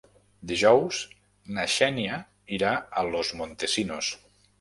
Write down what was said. Dijous na Xènia irà a Los Montesinos.